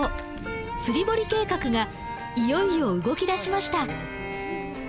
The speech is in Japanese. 釣り堀計画がいよいよ動きだしました。